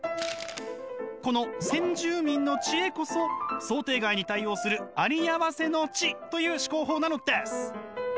この先住民の知恵こそ想定外に対応するありあわせの知という思考法なのです！